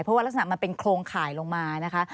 เพราะว่ารักษณะมันเป็นโครงข่ายลงมานะคะ